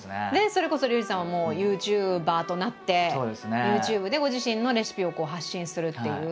それこそリュウジさんもＹｏｕＴｕｂｅｒとなってＹｏｕＴｕｂｅでご自身のレシピを発信するっていう。